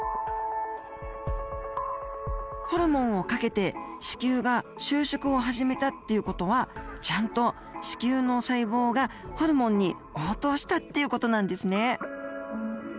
ホルモンをかけて子宮が収縮を始めたっていう事はちゃんと子宮の細胞がホルモンに応答したっていう事なんですね。